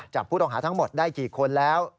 จับผู้ต้องหาทั้งหมดได้กี่คนแล้ว